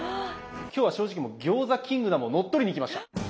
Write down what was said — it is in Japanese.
今日は正直もう餃子キングダムを乗っ取りに来ました！